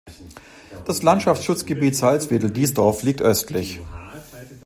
Das Landschaftsschutzgebiet Salzwedel-Diesdorf liegt östlich.